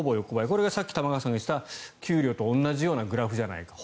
これがさっき玉川さんが言っていた給料と同じグラフじゃないかと。